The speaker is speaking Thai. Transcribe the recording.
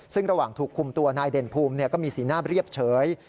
ซึ่งระหว่างถูกคุมตัวนายเด่นภูมิก็มีสีหน้าเรียบเฉย